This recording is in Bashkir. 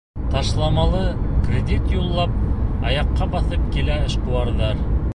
Ташламалы кредит юллап, аяҡҡа баҫып килә эшҡыуарҙар.